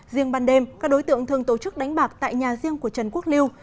riêng ban đêm các đối tượng thường tổ chức đánh bạc tại nhà riêng của trần quốc liêu